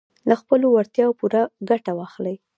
له خپلو وړتیاوو پوره ګټه واخلئ.